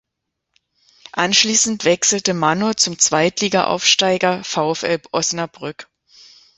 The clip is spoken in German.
Anschließend wechselte Manno zum Zweitligaaufsteiger VfL Osnabrück.